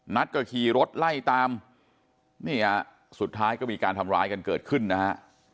นัทก็ขี่รถไล่ตามนี่ฮะสุดท้ายก็มีการทำร้ายกันเกิดขึ้นนะฮะ